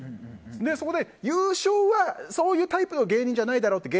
そこで、優勝はそういうタイプの芸人じゃないだろうって